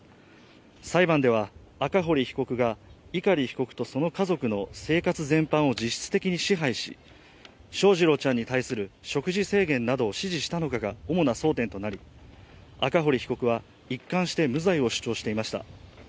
裁判では赤堀被告が碇被告とその家族の生活全般を実質的に支配し、翔士郎ちゃんに対する食事制限などを指示したのかが主な争点となり、赤堀被告は一貫して無罪を主張していました。